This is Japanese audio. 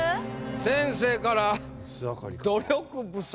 先生から「努力不足！」。